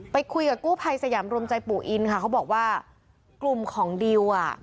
ไปคุยกับกู้ภัยสยามรวมใจปู่อินค่ะเขาบอกว่ากลุ่มของดิวอ่ะ